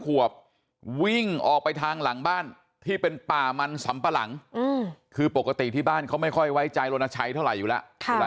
ขวบวิ่งออกไปทางหลังบ้านที่เป็นป่ามันสำปะหลังคือปกติที่บ้านเขาไม่ค่อยไว้ใจรณชัยเท่าไหร่อยู่แล้ว